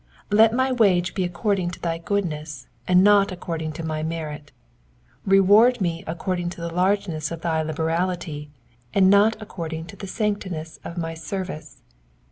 Let my wage be according to thy goodness, and nut according to my merit. Reward m^ according to the largeness of thy liberality, ana not according to the scantk ness of my service.